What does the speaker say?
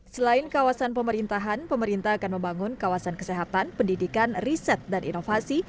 selain kawasan pemerintahan pemerintah akan membangun kawasan kesehatan pendidikan riset dan inovasi